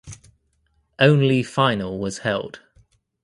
Only final was held.